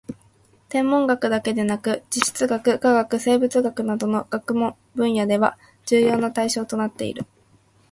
天文学だけでなく地質学・化学・生物学などの学問分野では重要な対象となっている